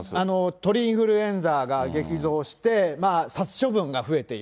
鳥インフルエンザが激増して、殺処分が増えている。